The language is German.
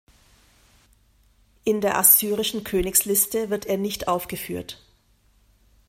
In der assyrischen Königsliste wird er nicht aufgeführt.